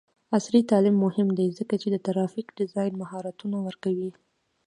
عصري تعلیم مهم دی ځکه چې د ګرافیک ډیزاین مهارتونه ورکوي.